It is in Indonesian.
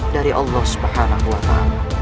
dari allah subhanahu wa ta'ala